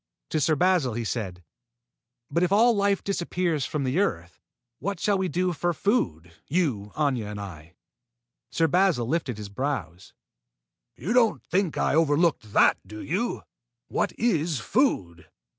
To Sir Basil he said: "But if all life disappears from the earth, what shall we do for food you, Aña, and I?" Sir Basil lifted his brows. "You don't think I overlooked that, do you? What is food?